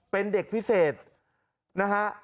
เป็นเด็กพิเศษนะฮะ